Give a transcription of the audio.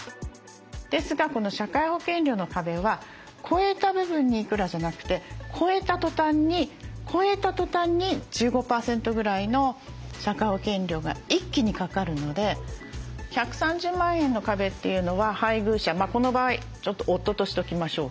ですがこの社会保険料の壁は超えた部分にいくらじゃなくて超えたとたんに１５％ぐらいの社会保険料が一気にかかるので１３０万円の壁というのは配偶者この場合ちょっと夫としときましょうか。